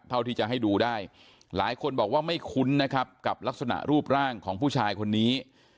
เท่าที่จะให้ดูได้หลายคนบอกว่าไม่คุ้นนะครับกับลักษณะรูปร่างของผู้ชายคนนี้